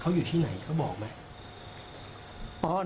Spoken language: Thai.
เขาอยู่ที่ไหนเขาบอกไหม